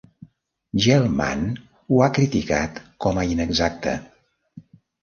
Gell-Mann ho ha criticat com a inexacte.